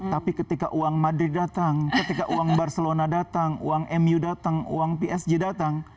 tapi ketika uang madrid datang ketika uang barcelona datang uang mu datang uang psg datang